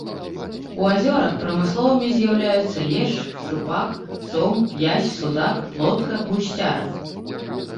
У азёрах прамысловымі з'яўляюцца лешч, шчупак, сом, язь, судак, плотка, гусцяра.